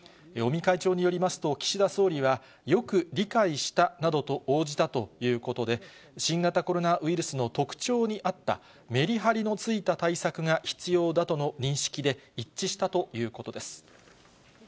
尾身会長によりますと、岸田総理は、よく理解したなどと応じたということで、新型コロナウイルスの特徴に合った、メリハリのついた対策が必要だとの認識で一致したということです。